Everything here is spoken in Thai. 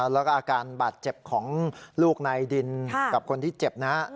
แล้วก็อาการบาดเจ็บของลูกในดินกับคนที่เจ็บนะฮะ